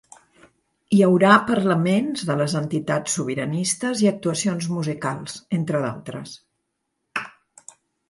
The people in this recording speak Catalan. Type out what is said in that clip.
Hi haurà parlaments de les entitats sobiranistes i actuacions musicals, entre d’altres.